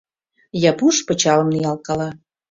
Япуш пычалым ниялткала.